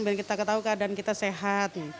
biar kita ketahui keadaan kita sehat